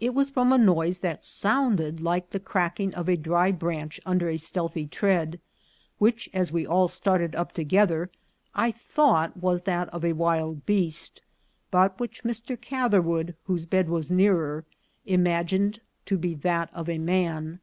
It was from a noise that sounded like the cracking of a dry branch under a stealthy tread, which, as we all started up together, I thought was that of a wild beast, but which Mr. Cath erwood, whose bed was nearer, imagined to be that of a man.